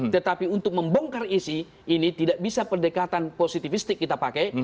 tetapi untuk membongkar isi ini tidak bisa pendekatan positifistik kita pakai